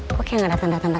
kok kayak gak ada tanda tanda